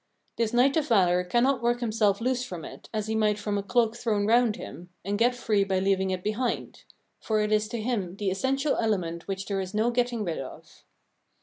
This knight of valour cannot work himself loose from it as he might from a cloak thrown 376 Phenomenology of Mind round him, and get free by leaving it behind ; for it is to him the essential element which there is no getting rid of.